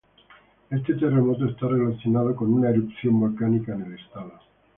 Éste terremoto está relacionado con una erupción volcánica en el estado.